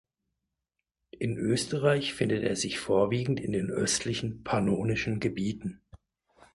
In Österreich findet er sich vorwiegend in den östlichen, pannonischen Gebieten.